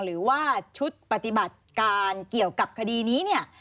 หรือว่าชุดปฏิบัติการเกี่ยวกับคดีนี้เนี่ย